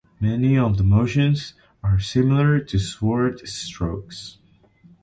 Many of the motions are similar to sword strokes.